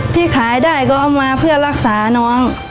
ที่ขายได้ก็เอามาเพื่อรักษาน้อง